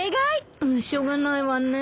しょうがないわね。